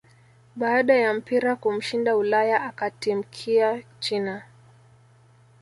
baada ya mpira kumshinda Ulaya akatimkia china